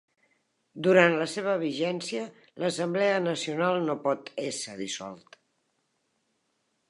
Durant la seva vigència l'Assemblea Nacional no pot ésser dissolt.